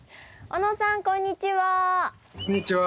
小野さんこんにちは。